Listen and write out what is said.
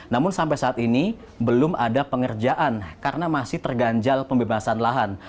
namun sampai saat ini belum ada pengerjaan karena masih terganjal pembebasan lahan